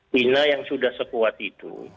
bila yang sudah sekuat itu